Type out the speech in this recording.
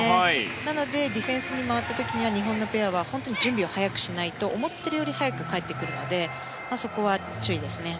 なのでディフェンスに回った時には日本ペアは本当に準備を早くしないと思っているより早く返ってくるのでそこは注意ですね。